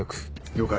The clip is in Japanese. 了解